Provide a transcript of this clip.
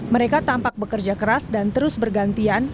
mereka tampak bekerja keras dan terus bergantian